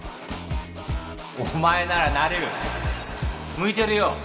お前ならなれる向いてるよ